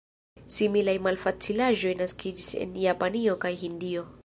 Similaj malfacilaĵoj naskiĝis en Japanio kaj Hindio.